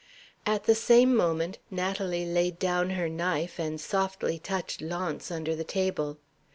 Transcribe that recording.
At the same moment Natalie laid down her knife and softly touched Launce under the table.